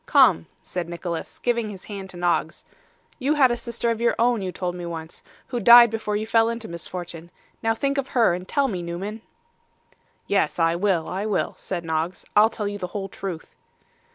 Come,' said Nicholas, giving his hand to Noggs. 'You had a sister of your own, you told me once, who died before you fell into misfortune. Now think of her, and tell me, Newman.' 'Yes, I will, I will,' said Noggs. 'I'll tell you the whole truth.